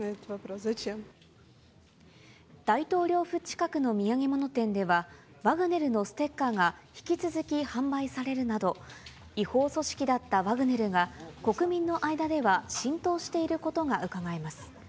大統領府近くの土産物店ではワグネルのステッカーが引き続き販売されるなど、違法組織だったワグネルが、国民の間では浸透していることがうかがえます。